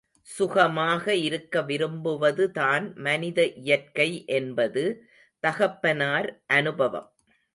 சுகமாக இருக்க விரும்புவது தான் மனித இயற்கை என்பது தகப்பனார் அனுபவம்.